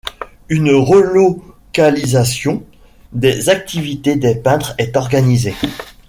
Une relocalisation des activités des peintres est organisée.